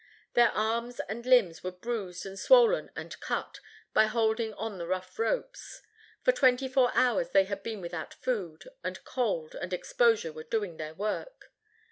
Their arms and limbs were bruised and swollen and cut by holding on the rough ropes. For twenty four hours they had been without food, and cold and exposure were doing their work.